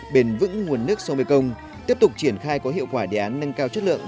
bền vững nguồn nước sông mekong tiếp tục triển khai có hiệu quả đề án nâng cao chất lượng